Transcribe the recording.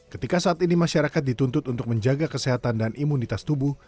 ketika saat ini masyarakat dituntut untuk menjaga kesehatan dan imunitas tubuh